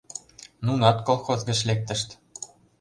Нунат колхоз гыч лектышт...